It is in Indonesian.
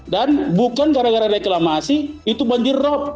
dan bukan gara gara reklamasi itu banjir rob